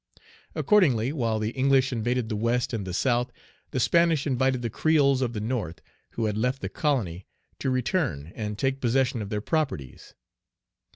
Accordingly, while the English invaded the West and the South, the Spanish invited the creoles of the North, who had left the colony, to return and take possession of their properties.